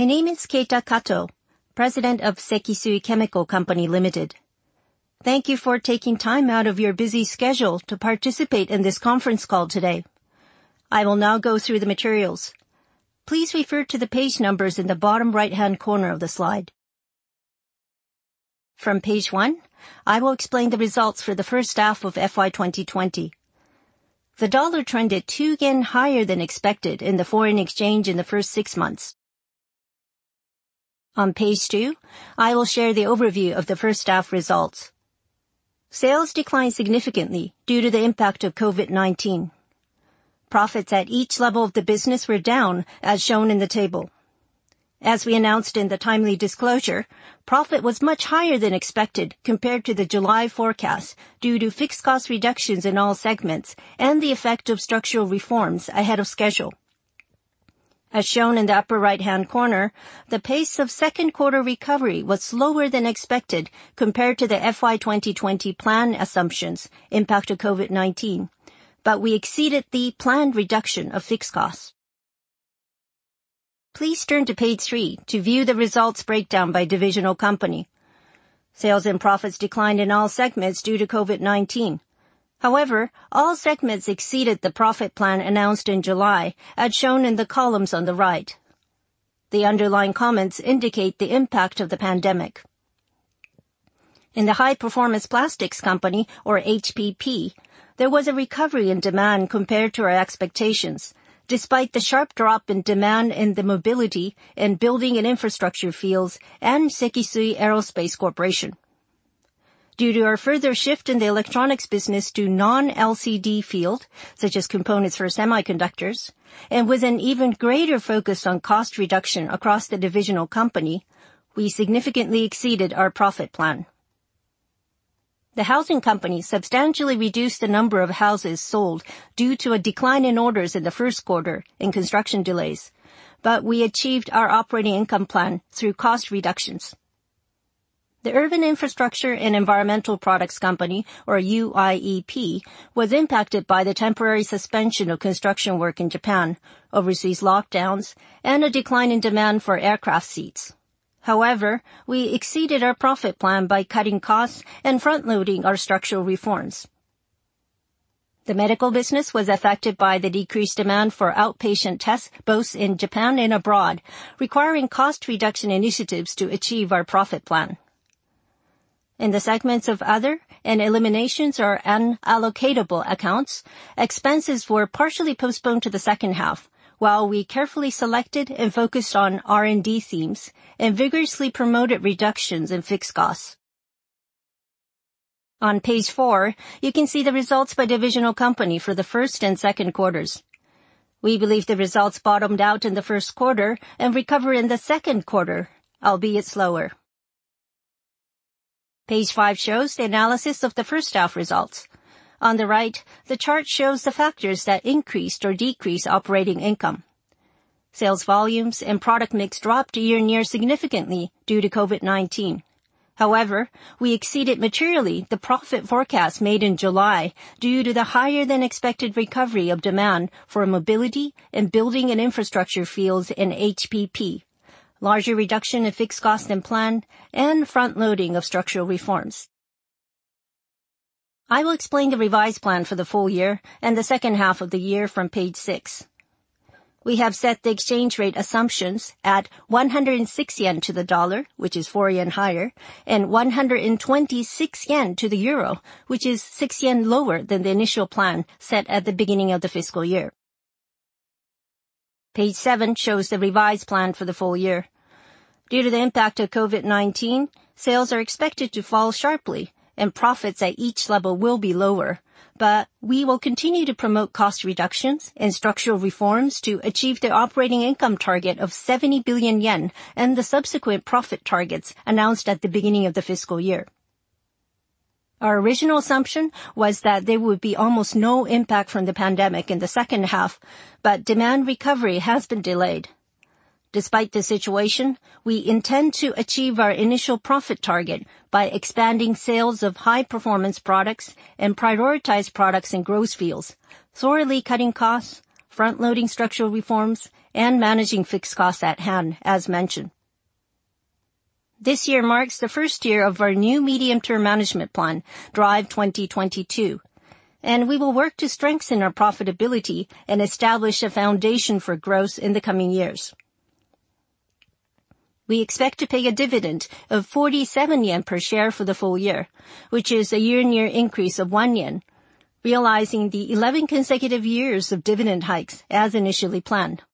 My name is Keita Kato, President of SEKISUI CHEMICAL Company Limited. Thank you for taking time out of your busy schedule to participate in this conference call today. I will now go through the materials. Please refer to the page numbers in the bottom right-hand corner of the slide. From page one, I will explain the results for the first half of FY 2020. The dollar trended 2 yen higher than expected in the foreign exchange in the first six months. On page two, I will share the overview of the first half results. Sales declined significantly due to the impact of COVID-19. Profits at each level of the business were down, as shown in the table. As we announced in the timely disclosure, profit was much higher than expected compared to the July forecast due to fixed cost reductions in all segments and the effect of structural reforms ahead of schedule. As shown in the upper right-hand corner, the pace of second quarter recovery was slower than expected compared to the FY 2020 plan assumptions impact of COVID-19, but we exceeded the planned reduction of fixed costs. Please turn to page three to view the results breakdown by divisional company. Sales and profits declined in all segments due to COVID-19. However, all segments exceeded the profit plan announced in July, as shown in the columns on the right. The underlying comments indicate the impact of the pandemic. In the High Performance Plastics Company, or HPP, there was a recovery in demand compared to our expectations, despite the sharp drop in demand in the mobility and building and infrastructure fields and SEKISUI Aerospace Corporation. Due to our further shift in the electronics business to non-LCD field, such as components for semiconductors, and with an even greater focus on cost reduction across the divisional company, we significantly exceeded our profit plan. The Housing Company substantially reduced the number of houses sold due to a decline in orders in the first quarter and construction delays, but we achieved our operating income plan through cost reductions. The Urban Infrastructure & Environmental Products Company, or UIEP, was impacted by the temporary suspension of construction work in Japan, overseas lockdowns, and a decline in demand for aircraft seats. However, we exceeded our profit plan by cutting costs and front-loading our structural reforms. The medical business was affected by the decreased demand for outpatient tests both in Japan and abroad, requiring cost reduction initiatives to achieve our profit plan. In the segments of other and eliminations or unallocatable accounts, expenses were partially postponed to the second half, while we carefully selected and focused on R&D themes and vigorously promoted reductions in fixed costs. On page four, you can see the results by divisional company for the first and second quarters. We believe the results bottomed out in the first quarter and recover in the second quarter, albeit slower. Page five shows the analysis of the first half results. On the right, the chart shows the factors that increased or decreased operating income. Sales volumes and product mix dropped year-on-year significantly due to COVID-19. However, we exceeded materially the profit forecast made in July due to the higher than expected recovery of demand for mobility and building and infrastructure fields in HPP, larger reduction in fixed costs than planned, and front loading of structural reforms. I will explain the revised plan for the full year and the second half of the year from page six. We have set the exchange rate assumptions at 106 yen to the dollar, which is 4 yen higher, and 126 yen to the euro, which is 6 yen lower than the initial plan set at the beginning of the fiscal year. Page seven shows the revised plan for the full year. Due to the impact of COVID-19, sales are expected to fall sharply and profits at each level will be lower. We will continue to promote cost reductions and structural reforms to achieve the operating income target of 70 billion yen and the subsequent profit targets announced at the beginning of the fiscal year. Our original assumption was that there would be almost no impact from the pandemic in the second half, but demand recovery has been delayed. Despite the situation, we intend to achieve our initial profit target by expanding sales of high-performance products and prioritize products in growth fields, thoroughly cutting costs, front loading structural reforms, and managing fixed costs at hand as mentioned. This year marks the first year of our new medium-term management plan, Drive 2022, and we will work to strengthen our profitability and establish a foundation for growth in the coming years. We expect to pay a dividend of 47 yen per share for the full year, which is a year-on-year increase of 1 yen, realizing the 11 consecutive years of dividend hikes as initially planned.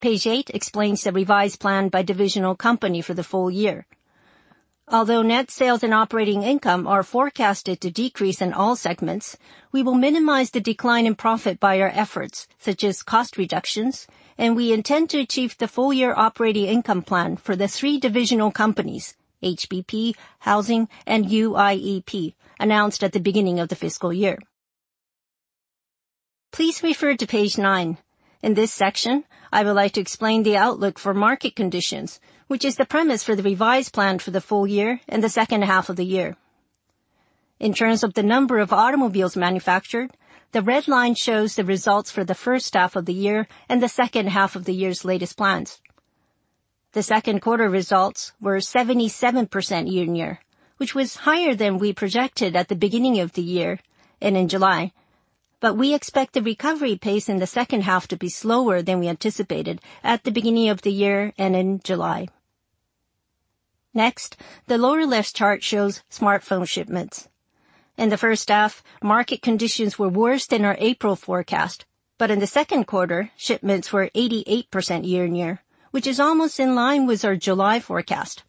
Page eight explains the revised plan by divisional company for the full year. Although net sales and operating income are forecasted to decrease in all segments, we will minimize the decline in profit by our efforts, such as cost reductions, and we intend to achieve the full-year operating income plan for the three divisional companies, HPP, Housing, and UIEP, announced at the beginning of the fiscal year. Please refer to page nine. In this section, I would like to explain the outlook for market conditions, which is the premise for the revised plan for the full year and the second half of the year. In terms of the number of automobiles manufactured, the red line shows the results for the first half of the year and the second half of the year's latest plans. The second quarter results were 77% year-on-year, which was higher than we projected at the beginning of the year and in July. We expect the recovery pace in the second half to be slower than we anticipated at the beginning of the year and in July. Next, the lower-left chart shows smartphone shipments. In the first half, market conditions were worse than our April forecast, but in the second quarter, shipments were 88% year-on-year, which is almost in line with our July forecast.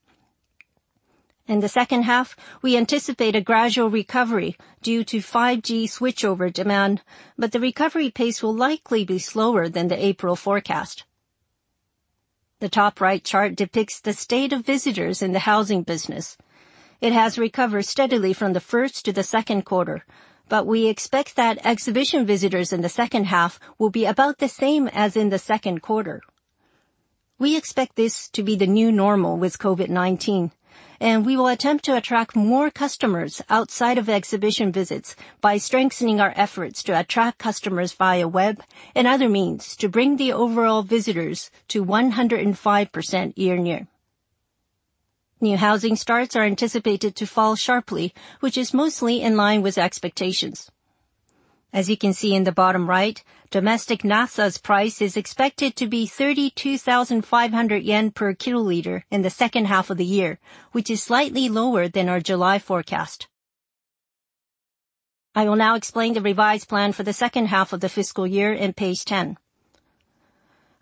In the second half, we anticipate a gradual recovery due to 5G switchover demand, but the recovery pace will likely be slower than the April forecast. The top right chart depicts the state of visitors in the housing business. It has recovered steadily from the first to the second quarter, but we expect that exhibition visitors in the second half will be about the same as in the second quarter. We expect this to be the new normal with COVID-19, and we will attempt to attract more customers outside of exhibition visits by strengthening our efforts to attract customers via web and other means to bring the overall visitors to 105% year-on-year. New housing starts are anticipated to fall sharply, which is mostly in line with expectations. As you can see in the bottom right, domestic naphtha's price is expected to be 32,500 yen per kiloliter in the second half of the year, which is slightly lower than our July forecast. I will now explain the revised plan for the second half of the fiscal year on page 10.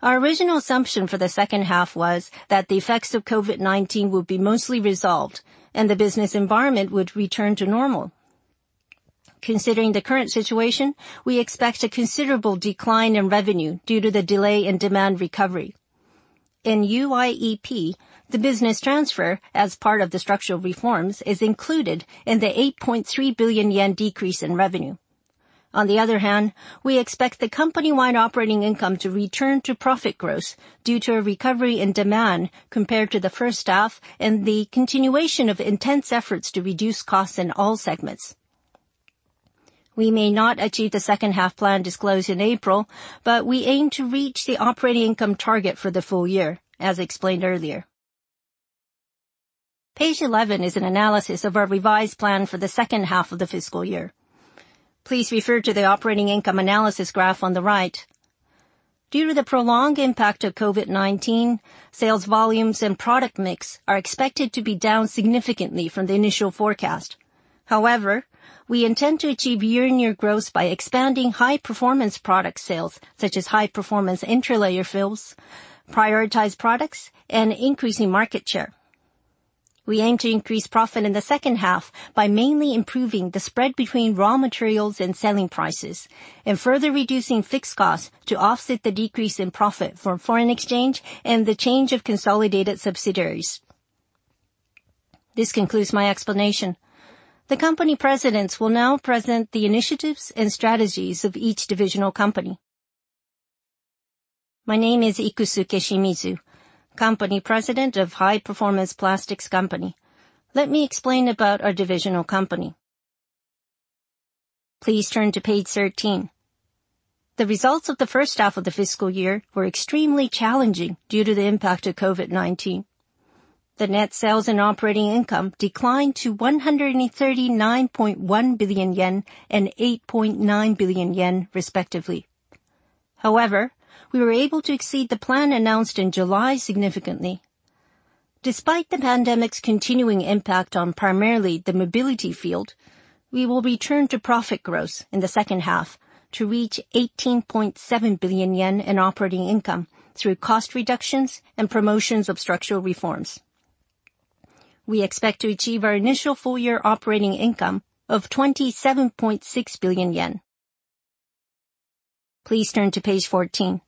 Our original assumption for the second half was that the effects of COVID-19 would be mostly resolved and the business environment would return to normal. Considering the current situation, we expect a considerable decline in revenue due to the delay in demand recovery. In UIEP, the business transfer, as part of the structural reforms, is included in the 8.3 billion yen decrease in revenue. On the other hand, we expect the company-wide operating income to return to profit growth due to a recovery in demand compared to the first half and the continuation of intense efforts to reduce costs in all segments. We may not achieve the second half plan disclosed in April, but we aim to reach the operating income target for the full year, as explained earlier. Page 11 is an analysis of our revised plan for the second half of the fiscal year. Please refer to the operating income analysis graph on the right. Due to the prolonged impact of COVID-19, sales volumes and product mix are expected to be down significantly from the initial forecast. However, we intend to achieve year-on-year growth by expanding high-performance product sales, such as high-performance interlayer films, prioritize products, and increasing market share. We aim to increase profit in the second half by mainly improving the spread between raw materials and selling prices, and further reducing fixed costs to offset the decrease in profit from foreign exchange and the change of consolidated subsidiaries. This concludes my explanation. The company presidents will now present the initiatives and strategies of each divisional company. My name is Ikusuke Shimizu, company President of High Performance Plastics Company. Let me explain about our divisional company. Please turn to page 13. The results of the first half of the fiscal year were extremely challenging due to the impact of COVID-19. The net sales and operating income declined to 139.1 billion yen and 8.9 billion yen, respectively. However, we were able to exceed the plan announced in July significantly. Despite the pandemic's continuing impact on primarily the mobility field, we will return to profit growth in the second half to reach 18.7 billion yen in operating income through cost reductions and promotions of structural reforms. We expect to achieve our initial full-year operating income of 27.6 billion yen. Please turn to page 14.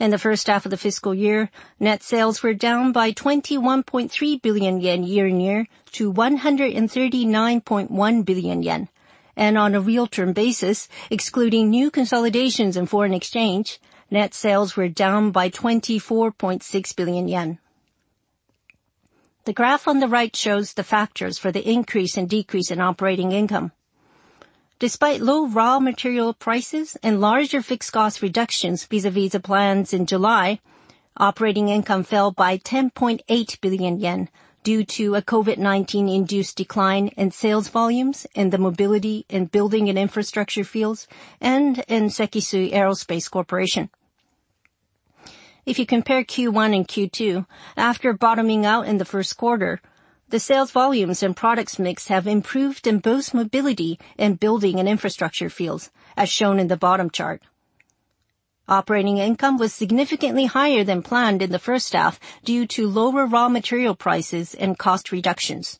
In the first half of the fiscal year, net sales were down by 21.3 billion yen year-on-year to 139.1 billion yen. On a real-term basis, excluding new consolidations and foreign exchange, net sales were down by 24.6 billion yen. The graph on the right shows the factors for the increase and decrease in operating income. Despite low raw material prices and larger fixed cost reductions vis-à-vis the plans in July, operating income fell by 10.8 billion yen due to a COVID-19-induced decline in sales volumes in the mobility and building and infrastructure fields and in SEKISUI Aerospace Corporation. If you compare Q1 and Q2, after bottoming out in the first quarter, the sales volumes and products mix have improved in both mobility and building and infrastructure fields, as shown in the bottom chart. Operating income was significantly higher than planned in the first half due to lower raw material prices and cost reductions.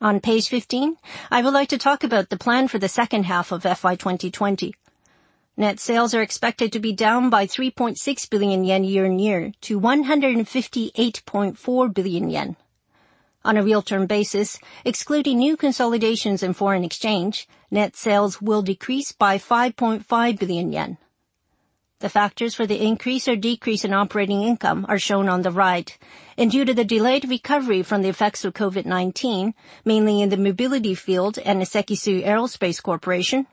On page 15, I would like to talk about the plan for the second half of FY 2020. Net sales are expected to be down by 3.6 billion yen year-on-year to 158.4 billion yen. On a real-term basis, excluding new consolidations and foreign exchange, net sales will decrease by 5.5 billion yen. The factors for the increase or decrease in operating income are shown on the right. Due to the delayed recovery from the effects of COVID-19, mainly in the mobility field and SEKISUI Aerospace Corporation,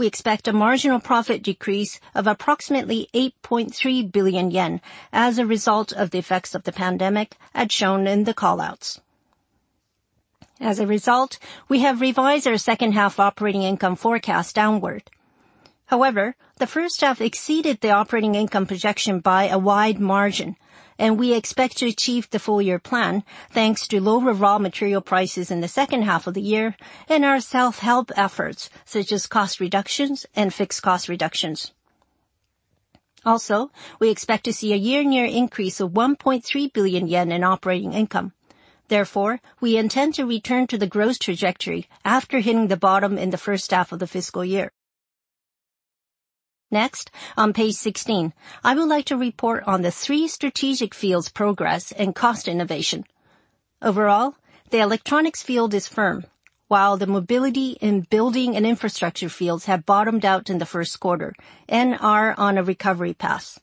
we expect a marginal profit decrease of approximately 8.3 billion yen as a result of the effects of the pandemic, as shown in the call-outs. As a result, we have revised our second-half operating income forecast downward. However, the first half exceeded the operating income projection by a wide margin, and we expect to achieve the full-year plan, thanks to lower raw material prices in the second half of the year and our self-help efforts, such as cost reductions and fixed cost reductions. Also, we expect to see a year-on-year increase of 1.3 billion yen in operating income. Therefore, we intend to return to the growth trajectory after hitting the bottom in the first half of the fiscal year. Next, on page 16, I would like to report on the three strategic fields progress and cost innovation. Overall, the electronics field is firm, while the mobility and building and infrastructure fields have bottomed out in the first quarter and are on a recovery path.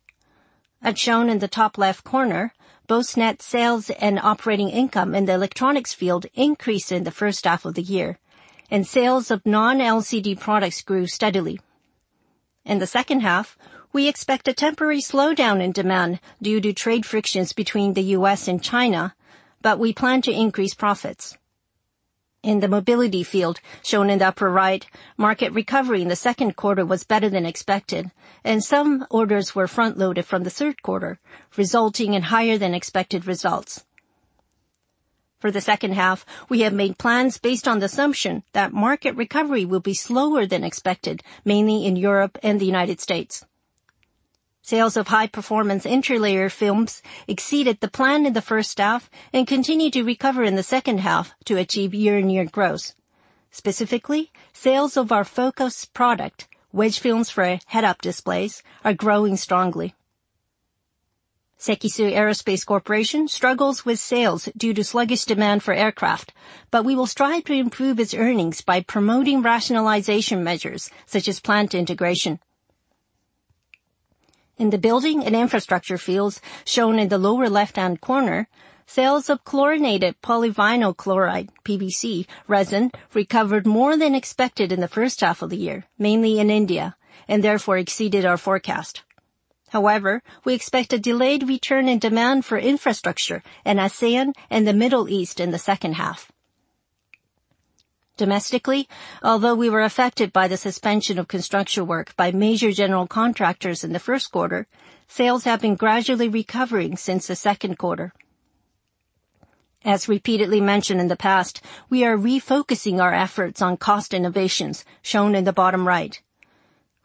As shown in the top left corner, both net sales and operating income in the electronics field increased in the first half of the year, and sales of non-LCD products grew steadily. In the second half, we expect a temporary slowdown in demand due to trade frictions between the U.S. and China, but we plan to increase profits. In the mobility field, shown in the upper right, market recovery in the second quarter was better than expected, and some orders were front-loaded from the third quarter, resulting in higher than expected results. For the second half, we have made plans based on the assumption that market recovery will be slower than expected, mainly in Europe and the United States. Sales of high-performance interlayer films exceeded the plan in the first half and continue to recover in the second half to achieve year-on-year growth. Specifically, sales of our focus product, wedge-shaped films for head-up displays, are growing strongly. SEKISUI Aerospace Corporation struggles with sales due to sluggish demand for aircraft, but we will strive to improve its earnings by promoting rationalization measures such as plant integration. In the building and infrastructure fields shown in the lower left-hand corner, sales of chlorinated polyvinyl chloride, PVC resin, recovered more than expected in the first half of the year, mainly in India, and therefore exceeded our forecast. However, we expect a delayed return in demand for infrastructure in ASEAN and the Middle East in the second half. Domestically, although we were affected by the suspension of construction work by major general contractors in the first quarter, sales have been gradually recovering since the second quarter. As repeatedly mentioned in the past, we are refocusing our efforts on cost innovations shown in the bottom right.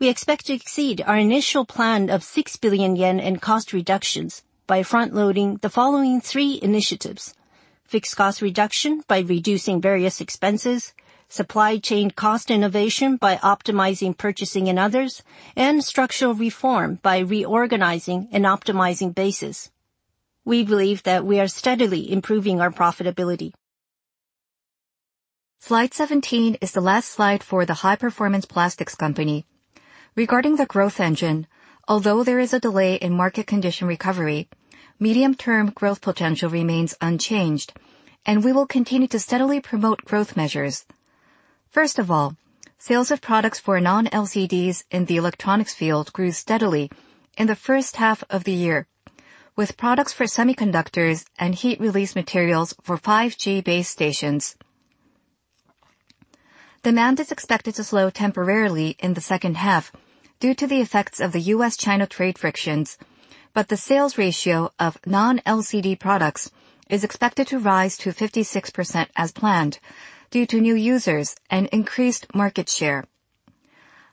We expect to exceed our initial plan of 6 billion yen in cost reductions by front-loading the following three initiatives: fixed cost reduction by reducing various expenses, supply chain cost innovation by optimizing purchasing and others, and structural reform by reorganizing and optimizing bases. We believe that we are steadily improving our profitability. Slide 17 is the last slide for the High Performance Plastics Company. Regarding the growth engine, although there is a delay in market condition recovery, medium-term growth potential remains unchanged, and we will continue to steadily promote growth measures. First of all, sales of products for non-LCDs in the electronics field grew steadily in the first half of the year with products for semiconductors and heat release materials for 5G base stations. Demand is expected to slow temporarily in the second half due to the effects of the U.S.-China trade frictions, but the sales ratio of non-LCD products is expected to rise to 56% as planned due to new users and increased market share.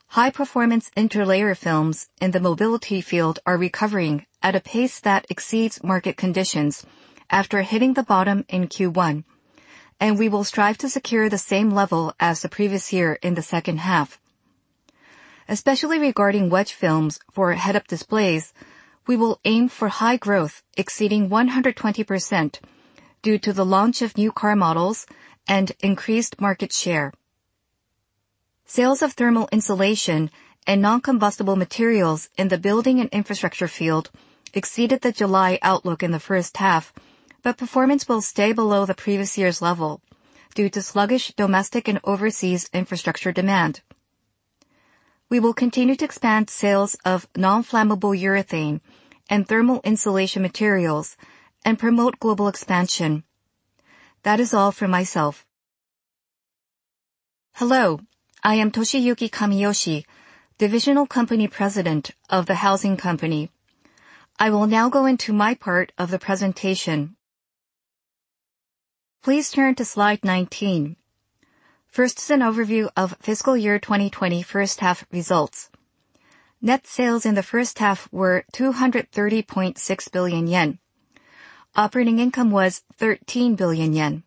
High-performance interlayer films in the mobility field are recovering at a pace that exceeds market conditions after hitting the bottom in Q1. We will strive to secure the same level as the previous year in the second half. Especially regarding wedge-shaped films for head-up displays, we will aim for high growth exceeding 120% due to the launch of new car models and increased market share. Sales of thermal insulation and non-combustible materials in the building and infrastructure field exceeded the July outlook in the first half. Performance will stay below the previous year's level due to sluggish domestic and overseas infrastructure demand. We will continue to expand sales of non-flammable urethane and thermal insulation materials and promote global expansion. That is all for myself. Hello, I am Toshiyuki Kamiyoshi, Divisional Company President of the Housing Company. I will now go into my part of the presentation. Please turn to slide 19. First is an overview of fiscal year 2020 first half results. Net sales in the first half were 230.6 billion yen. Operating income was 13 billion yen.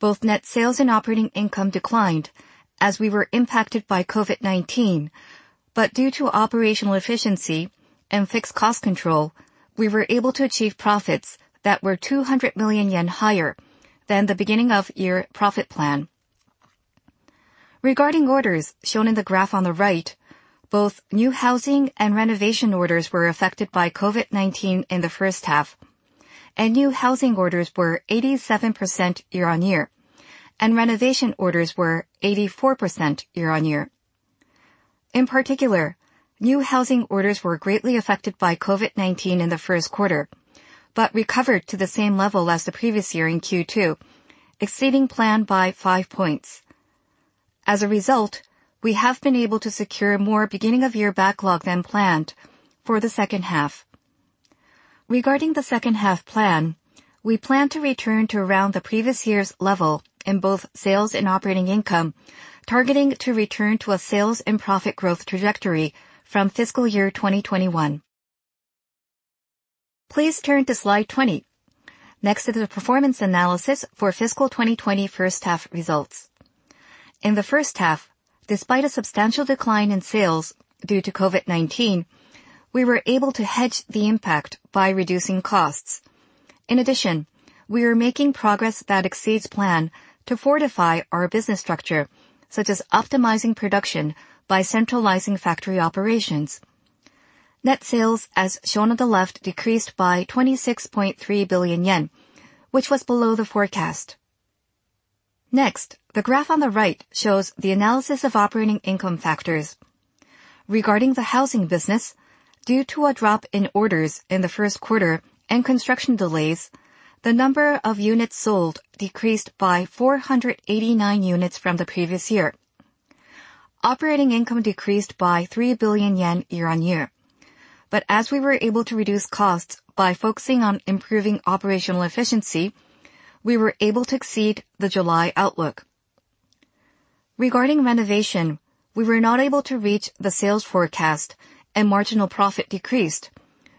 Both net sales and operating income declined as we were impacted by COVID-19. Due to operational efficiency and fixed cost control, we were able to achieve profits that were 200 million yen higher than the beginning of year profit plan. Regarding orders shown in the graph on the right, both new housing and renovation orders were affected by COVID-19 in the first half. New housing orders were 87% year-on-year, and renovation orders were 84% year-on-year. In particular, new housing orders were greatly affected by COVID-19 in the first quarter, but recovered to the same level as the previous year in Q2, exceeding plan by 5 points. As a result, we have been able to secure more beginning of year backlog than planned for the second half. Regarding the second half plan, we plan to return to around the previous year's level in both sales and operating income, targeting to return to a sales and profit growth trajectory from fiscal year 2021. Please turn to slide 20. Next is the performance analysis for fiscal 2020 first half results. In the first half, despite a substantial decline in sales due to COVID-19, we were able to hedge the impact by reducing costs. In addition, we are making progress that exceeds plan to fortify our business structure, such as optimizing production by centralizing factory operations. Net sales, as shown on the left, decreased by 26.3 billion yen, which was below the forecast. Next, the graph on the right shows the analysis of operating income factors. Regarding the housing business, due to a drop in orders in the first quarter and construction delays, the number of units sold decreased by 489 units from the previous year. Operating income decreased by 3 billion yen year-on-year. As we were able to reduce costs by focusing on improving operational efficiency, we were able to exceed the July outlook. Regarding renovation, we were not able to reach the sales forecast and marginal profit decreased,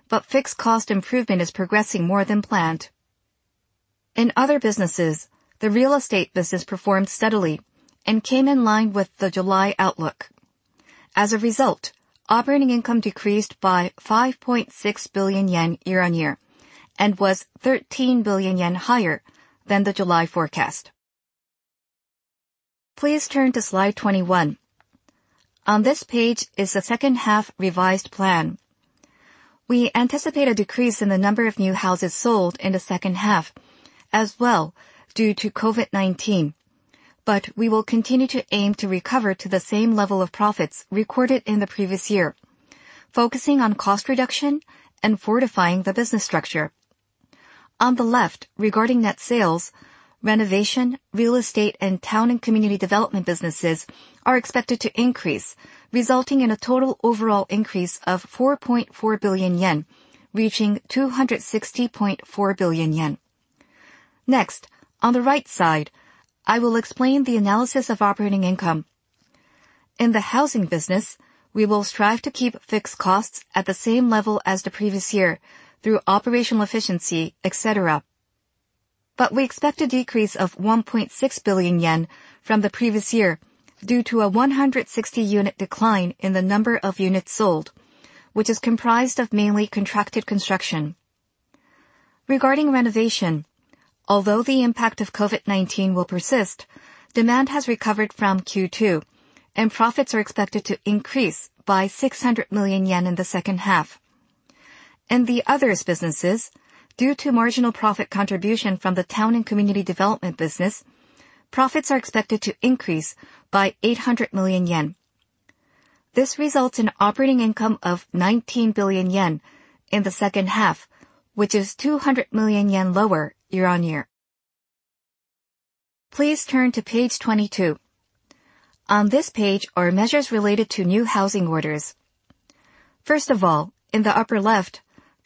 but fixed cost improvement is progressing more than planned. In other businesses, the real estate business performed steadily and came in line with the July outlook. As a result, operating income decreased by 5.6 billion yen year-on-year and was 13 billion yen higher than the July forecast. Please turn to slide 21. On this page is the second half revised plan. We anticipate a decrease in the number of new houses sold in the second half as well due to COVID-19. We will continue to aim to recover to the same level of profits recorded in the previous year, focusing on cost reduction and fortifying the business structure. On the left, regarding net sales, renovation, real estate, and town and community development businesses are expected to increase, resulting in a total overall increase of 4.4 billion yen, reaching 260.4 billion yen. Next, on the right side, I will explain the analysis of operating income. In the housing business, we will strive to keep fixed costs at the same level as the previous year through operational efficiency, et cetera. We expect a decrease of 1.6 billion yen from the previous year due to a 160-unit decline in the number of units sold, which is comprised of mainly contracted construction. Regarding renovation, although the impact of COVID-19 will persist, demand has recovered from Q2, and profits are expected to increase by 600 million yen in the second half. In the others businesses, due to marginal profit contribution from the town and community development business, profits are expected to increase by 800 million yen. This results in operating income of 19 billion yen in the second half, which is 200 million yen lower year-on-year. Please turn to page 22. On this page are measures related to new housing orders. First of all, in the upper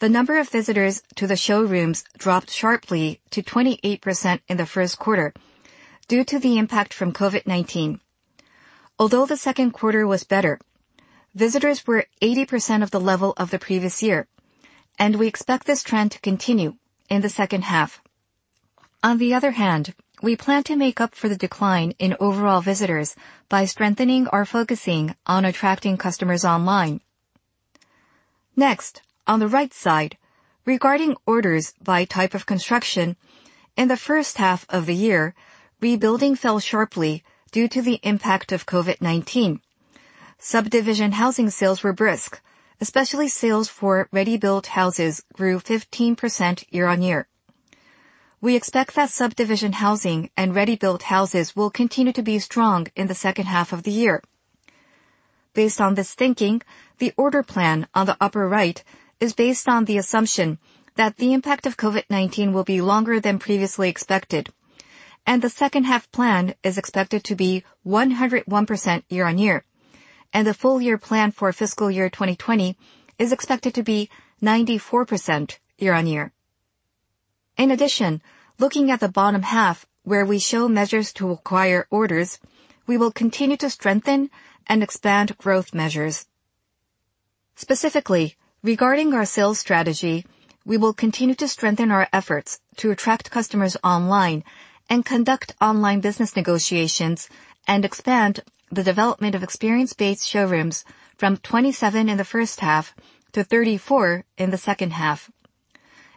left, the number of visitors to the showrooms dropped sharply to 28% in the first quarter due to the impact from COVID-19. Although the second quarter was better, visitors were 80% of the level of the previous year, and we expect this trend to continue in the second half. On the other hand, we plan to make up for the decline in overall visitors by strengthening or focusing on attracting customers online. Next, on the right side, regarding orders by type of construction, in the first half of the year, rebuilding fell sharply due to the impact of COVID-19. Subdivision housing sales were brisk, especially sales for ready-built houses grew 15% year-on-year. We expect that subdivision housing and ready-built houses will continue to be strong in the second half of the year. Based on this thinking, the order plan on the upper right is based on the assumption that the impact of COVID-19 will be longer than previously expected, and the second half plan is expected to be 101% year-on-year, and the full-year plan for fiscal year 2020 is expected to be 94% year-on-year. In addition, looking at the bottom half where we show measures to acquire orders, we will continue to strengthen and expand growth measures. Specifically, regarding our sales strategy, we will continue to strengthen our efforts to attract customers online and conduct online business negotiations and expand the development of experience-based showrooms from 27 in the first half to 34 in the second half.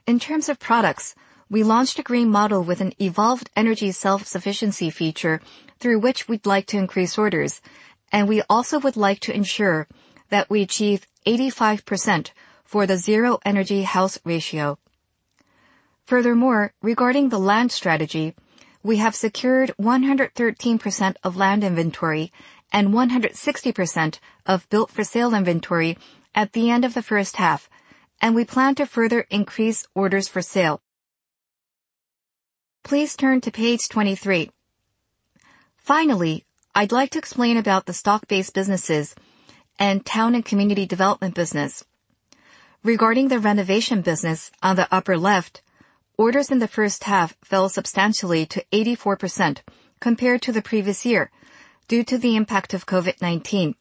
In terms of products, we launched a green model with an evolved energy self-sufficiency feature through which we'd like to increase orders, and we also would like to ensure that we achieve 85% for the zero-energy house ratio. Furthermore, regarding the land strategy, we have secured 113% of land inventory and 160% of built-for-sale inventory at the end of the first half, and we plan to further increase orders for sale. Please turn to page 23. Finally, I'd like to explain about the stock-based businesses and town and community development business. Regarding the renovation business on the upper left, orders in the first half fell substantially to 84% compared to the previous year due to the impact of COVID-19.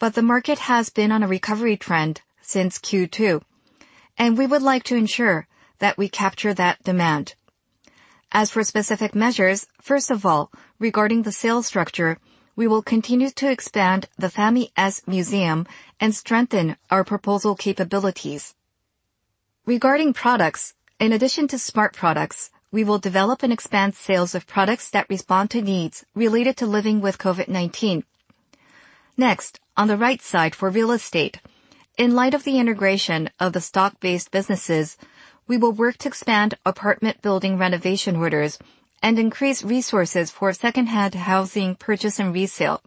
The market has been on a recovery trend since Q2, and we would like to ensure that we capture that demand. As for specific measures, first of all, regarding the sales structure, we will continue to expand the FamiS Museum and strengthen our proposal capabilities. Regarding products, in addition to smart products, we will develop and expand sales of products that respond to needs related to living with COVID-19. Next, on the right side for real estate. In light of the integration of the stock-based businesses, we will work to expand apartment building renovation orders and increase resources for second-hand housing purchase and resale.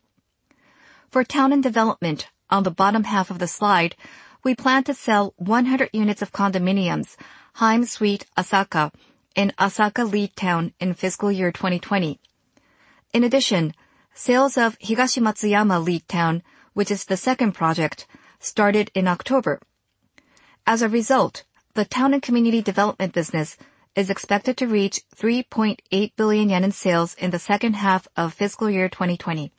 For town and development, on the bottom half of the slide, we plan to sell 100 units of condominiums, HEIM SUITE Asaka, in Asaka Lead Town in fiscal year 2020. In addition, sales of Higashi Matsuyama Lead Town, which is the second project, started in October. As a result, the town and community development business is expected to reach 3.8 billion yen in sales in the second half of fiscal year 2020.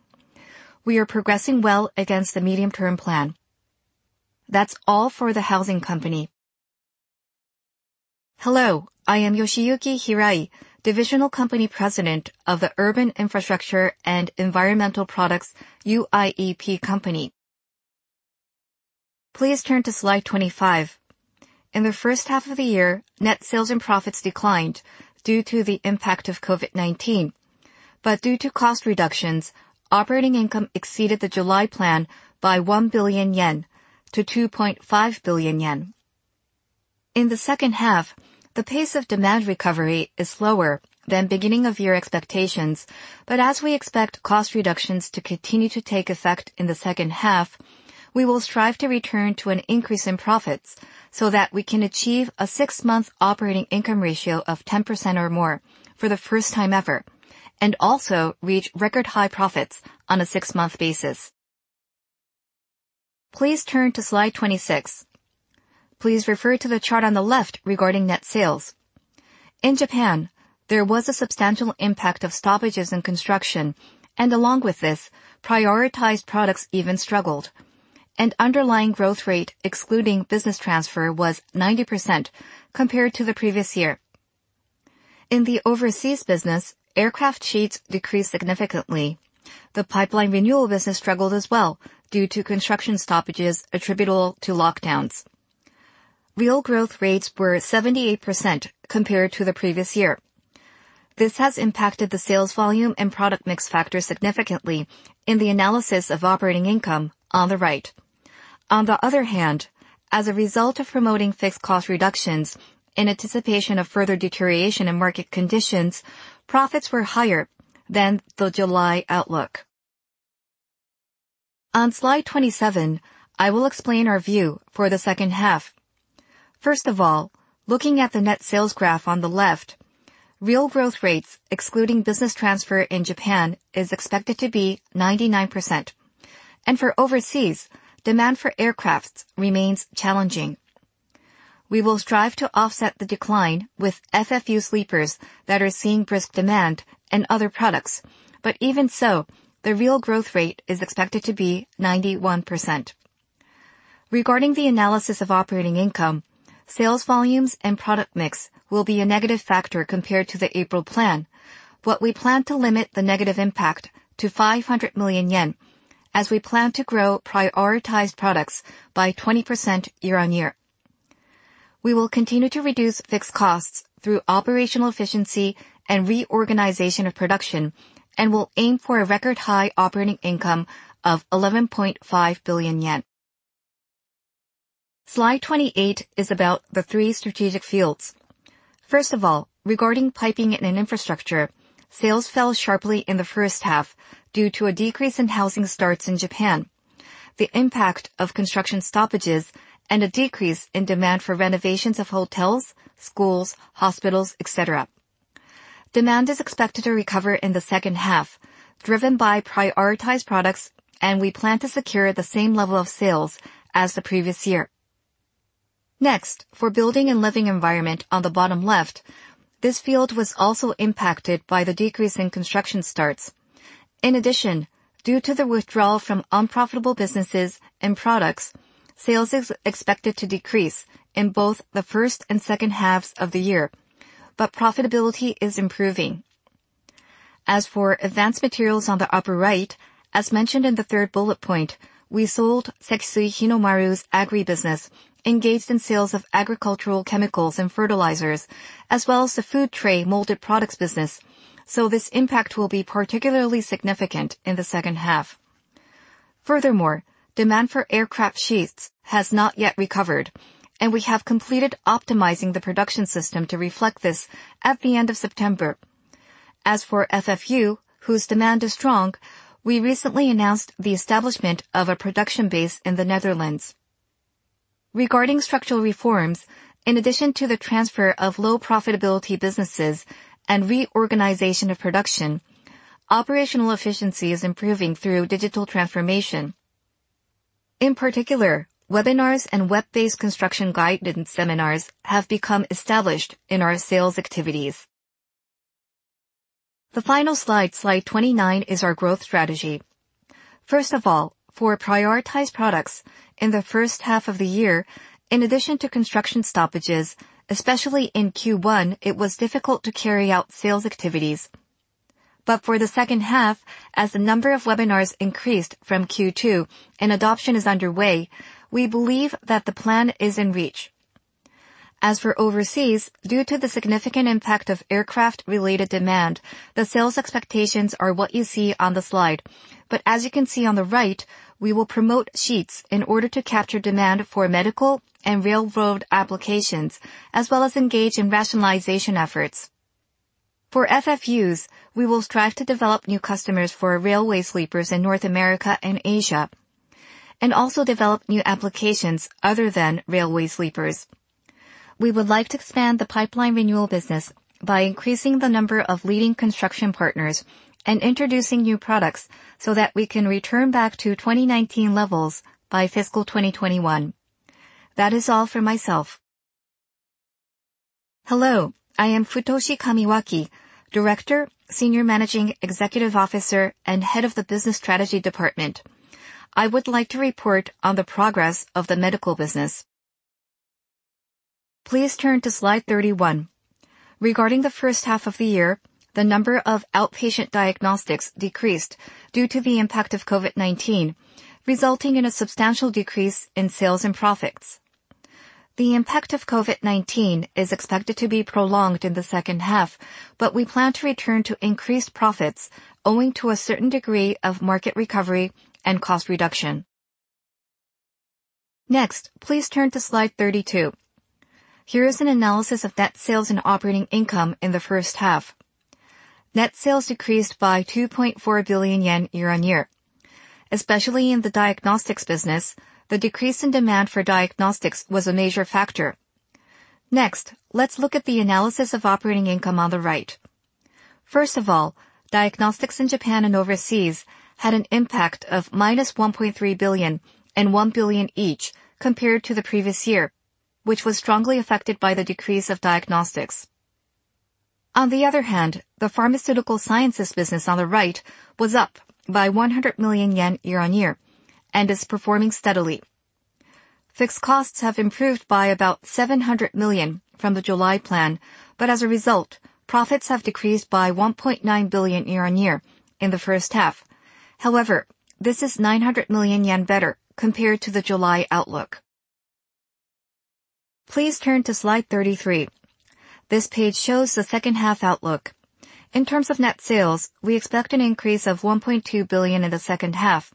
We are progressing well against the medium-term plan. That's all for the Housing Company. Hello, I am Yoshiyuki Hirai, Divisional Company President of the Urban Infrastructure & Environmental Products, UIEP Company. Please turn to slide 25. In the first half of the year, net sales and profits declined due to the impact of COVID-19. Due to cost reductions, operating income exceeded the July plan by 1 billion-2.5 billion yen. In the second half, the pace of demand recovery is slower than beginning of year expectations, but as we expect cost reductions to continue to take effect in the second half, we will strive to return to an increase in profits so that we can achieve a six-month operating income ratio of 10% or more for the first time ever, and also reach record-high profits on a six-month basis. Please turn to slide 26. Please refer to the chart on the left regarding net sales. In Japan, there was a substantial impact of stoppages in construction, and along with this, prioritized products even struggled, and underlying growth rate excluding business transfer was 90% compared to the previous year. In the overseas business, aircraft sheets decreased significantly. The pipeline renewal business struggled as well due to construction stoppages attributable to lockdowns. Real growth rates were 78% compared to the previous year. This has impacted the sales volume and product mix factor significantly in the analysis of operating income on the right. On the other hand, as a result of promoting fixed cost reductions in anticipation of further deterioration in market conditions, profits were higher than the July outlook. On slide 27, I will explain our view for the second half. First of all, looking at the net sales graph on the left, real growth rates excluding business transfer in Japan is expected to be 99%. For overseas, demand for aircrafts remains challenging. We will strive to offset the decline with FFU sleepers that are seeing brisk demand and other products, but even so, the real growth rate is expected to be 91%. Regarding the analysis of operating income, sales volumes and product mix will be a negative factor compared to the April plan. But we plan to limit the negative impact to 500 million yen as we plan to grow prioritized products by 20% year-on-year. We will continue to reduce fixed costs through operational efficiency and reorganization of production and will aim for a record-high operating income of 11.5 billion yen. Slide 28 is about the three strategic fields. First of all, regarding piping and infrastructure, sales fell sharply in the first half due to a decrease in housing starts in Japan, the impact of construction stoppages, and a decrease in demand for renovations of hotels, schools, hospitals, et cetera. Demand is expected to recover in the second half, driven by prioritized products, and we plan to secure the same level of sales as the previous year. Next, for building and living environment on the bottom left, this field was also impacted by the decrease in construction starts. In addition, due to the withdrawal from unprofitable businesses and products, sales is expected to decrease in both the first and second halves of the year, but profitability is improving. As for advanced materials on the upper right, as mentioned in the third bullet point, we sold SEKISUI HINOMARU's agri business, engaged in sales of agricultural chemicals and fertilizers, as well as the food tray molded products business. This impact will be particularly significant in the second half. Furthermore, demand for aircraft sheets has not yet recovered, and we have completed optimizing the production system to reflect this at the end of September. As for FFU, whose demand is strong, we recently announced the establishment of a production base in the Netherlands. Regarding structural reforms, in addition to the transfer of low profitability businesses and reorganization of production, operational efficiency is improving through digital transformation. In particular, webinars and web-based construction guidance seminars have become established in our sales activities. The final slide, slide 29, is our growth strategy. First of all, for prioritized products in the first half of the year, in addition to construction stoppages, especially in Q1, it was difficult to carry out sales activities. For the second half, as the number of webinars increased from Q2 and adoption is underway, we believe that the plan is in reach. As for overseas, due to the significant impact of aircraft-related demand, the sales expectations are what you see on the slide. As you can see on the right, we will promote sheets in order to capture demand for medical and railroad applications, as well as engage in rationalization efforts. For FFUs, we will strive to develop new customers for railway sleepers in North America and Asia, also develop new applications other than railway sleepers. We would like to expand the pipeline renewal business by increasing the number of leading construction partners and introducing new products so that we can return back to 2019 levels by fiscal 2021. That is all for myself. Hello, I am Futoshi Kamiwaki, Director, Senior Managing Executive Officer, and Head of the Business Strategy Department. I would like to report on the progress of the medical business. Please turn to slide 31. Regarding the first half of the year, the number of outpatient diagnostics decreased due to the impact of COVID-19, resulting in a substantial decrease in sales and profits. The impact of COVID-19 is expected to be prolonged in the second half, but we plan to return to increased profits owing to a certain degree of market recovery and cost reduction. Next, please turn to slide 32. Here is an analysis of net sales and operating income in the first half. Net sales decreased by 2.4 billion yen year-on-year. Especially in the diagnostics business, the decrease in demand for diagnostics was a major factor. Next, let's look at the analysis of operating income on the right. First of all, diagnostics in Japan and overseas had an impact of -1.3 billion and 1 billion each compared to the previous year, which was strongly affected by the decrease of diagnostics. On the other hand, the pharmaceutical sciences business on the right was up by 100 million yen year-on-year and is performing steadily. Fixed costs have improved by about 700 million from the July plan. As a result, profits have decreased by 1.9 billion year-on-year in the first half. However, this is 900 million yen better compared to the July outlook. Please turn to slide 33. This page shows the second half outlook. In terms of net sales, we expect an increase of 1.2 billion in the second half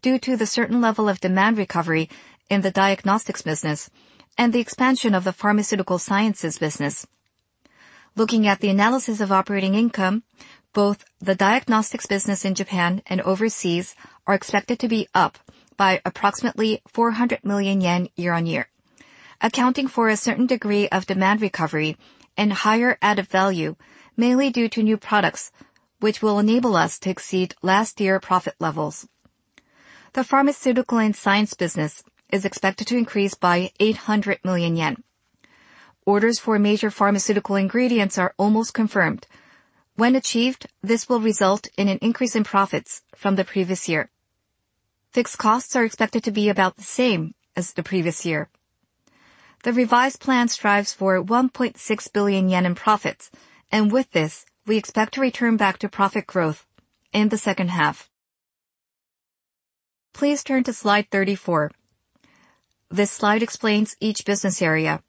due to the certain level of demand recovery in the diagnostics business and the expansion of the pharmaceutical sciences business. Looking at the analysis of operating income, both the diagnostics business in Japan and overseas are expected to be up by approximately 400 million yen year-on-year, accounting for a certain degree of demand recovery and higher added value, mainly due to new products, which will enable us to exceed last year's profit levels. The pharmaceutical sciences business is expected to increase by 800 million yen. Orders for major pharmaceutical ingredients are almost confirmed. When achieved, this will result in an increase in profits from the previous year. Fixed costs are expected to be about the same as the previous year. The revised plan strives for 1.6 billion yen in profits, and with this, we expect to return back to profit growth in the second half. Please turn to slide 34. This slide explains each business area.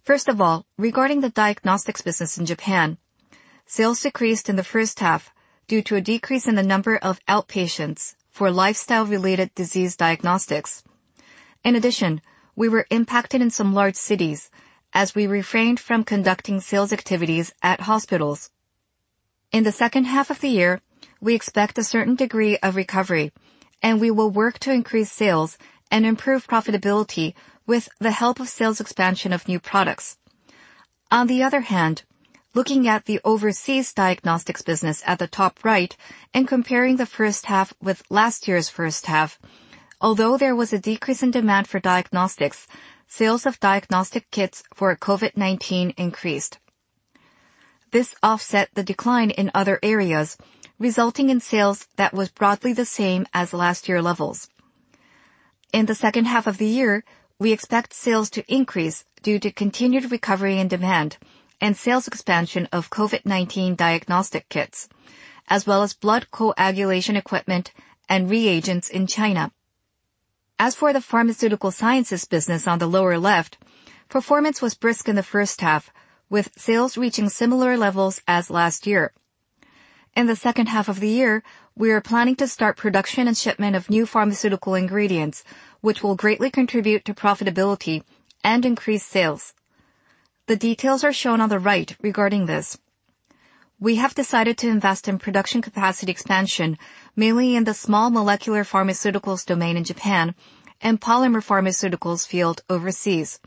First of all, regarding the diagnostics business in Japan, sales decreased in the first half due to a decrease in the number of outpatients for lifestyle-related disease diagnostics. In addition, we were impacted in some large cities as we refrained from conducting sales activities at hospitals. In the second half of the year, we expect a certain degree of recovery, and we will work to increase sales and improve profitability with the help of sales expansion of new products. On the other hand, looking at the overseas diagnostics business at the top right and comparing the first half with last year's first half, although there was a decrease in demand for diagnostics, sales of diagnostic kits for COVID-19 increased. This offset the decline in other areas, resulting in sales that was broadly the same as last year's levels. In the second half of the year, we expect sales to increase due to continued recovery in demand and sales expansion of COVID-19 diagnostic kits, as well as blood coagulation equipment and reagents in China. As for the pharmaceutical sciences business on the lower left, performance was brisk in the first half, with sales reaching similar levels as last year. In the second half of the year, we are planning to start production and shipment of new pharmaceutical ingredients, which will greatly contribute to profitability and increase sales. The details are shown on the right regarding this. We have decided to invest in production capacity expansion, mainly in the small molecular pharmaceuticals domain in Japan and polymer pharmaceuticals field overseas.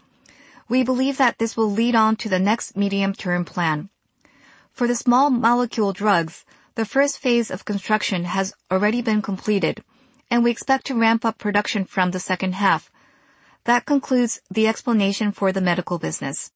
We believe that this will lead on to the next medium-term plan. For the small molecule drugs, the first phase of construction has already been completed, and we expect to ramp up production from the second half. That concludes the explanation for the medical business.